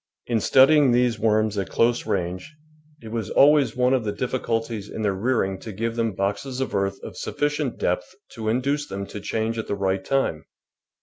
In studying these worms at close range, it was always [ 250 ] FALL WORK IN THE GARDEN one of the difficulties in their rearing to give them boxes of earth of sufficient dej)th to induce them to change at the right time.